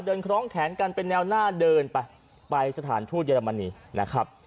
คล้องแขนกันเป็นแนวหน้าเดินไปไปสถานทูตเยอรมนีนะครับ